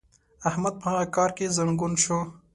احمد په هغه کار کې زنګون شو.